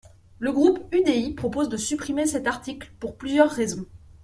Le groupe UDI propose de supprimer cet article pour plusieurs raisons.